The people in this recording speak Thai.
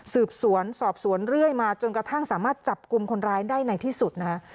สืบสวนสอบสวนเรื่อยมาจนกระทั่งสามารถจับกลุ่มคนร้ายได้ในที่สุดนะฮะ